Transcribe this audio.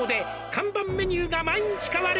「看板メニューが毎日変わる」